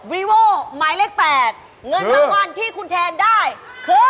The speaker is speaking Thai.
รีโวหมายเลข๘เงินรางวัลที่คุณแทนได้คือ